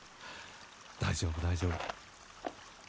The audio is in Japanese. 大丈夫大丈夫。